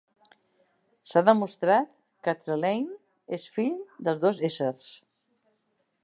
S'ha demostrat que Trelane és "fill" dels dos éssers.